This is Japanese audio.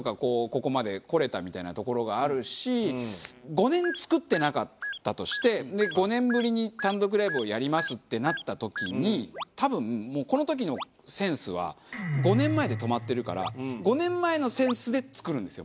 ５年作ってなかったとして５年ぶりに単独ライブをやりますってなった時に多分もうこの時のセンスは５年前で止まってるから５年前のセンスで作るんですよ